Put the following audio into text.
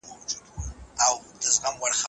خلګ هره ورځ خپل مالونه زیاتوي.